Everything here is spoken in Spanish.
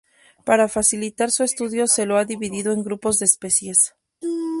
Para facilitar su estudio se lo ha dividido en grupos de especies.